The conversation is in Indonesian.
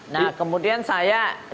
nah kemudian saya duduk disitu